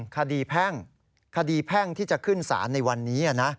คดีแพ่งคดีแพ่งที่จะขึ้นศาลในวันนี้นะ